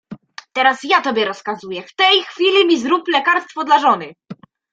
"Teraz ja tobie rozkazuję: w tej chwili mi zrób lekarstwo dla żony!"